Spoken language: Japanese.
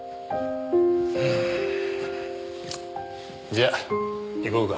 じゃ行こうか。